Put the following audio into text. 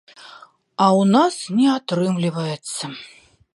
А ў нас не атрымліваецца.